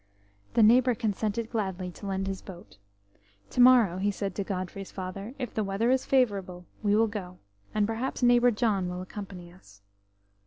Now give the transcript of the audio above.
The neighbour consented gladly to lend his boat. "To morrow," he said to Godfrey's father, "if the weather is favourable, we will go, and perhaps neighbour John will accompany us."